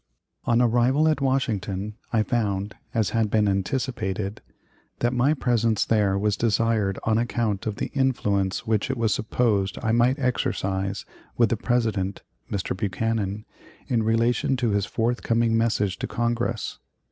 On arrival at Washington, I found, as had been anticipated, that my presence there was desired on account of the influence which it was supposed I might exercise with the President (Mr. Buchanan) in relation to his forthcoming message to Congress.